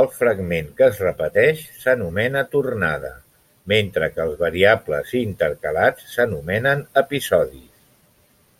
El fragment que es repeteix s'anomena tornada, mentre que els variables i intercalats s'anomenen episodis.